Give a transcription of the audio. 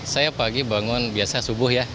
saya pagi bangun biasa subuh ya